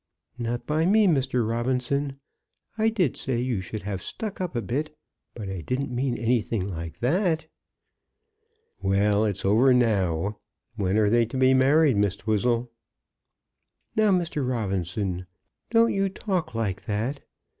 "Not by me, Mr. Robinson. I did say you should have stuck up a bit; but I didn't mean anything like that." "Well; it's over now. When are they to be married, Miss Twizzle?" "Now, Mr. Robinson, don't you talk like that.